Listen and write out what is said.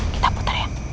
kita putar ya